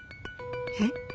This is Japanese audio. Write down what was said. えっ？